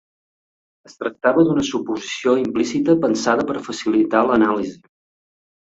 Es tractava d'una suposició implícita pensada per facilitar l'anàlisi.